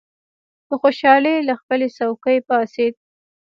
په خوشالۍ له خپلې څوکۍ پاڅېد.